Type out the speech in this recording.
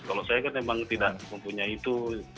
kalau saya kan memang tidak mempunyai itu